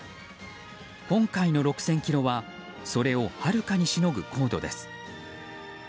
今回の６０００ｋｍはそれをはるかにしのぐ高度です。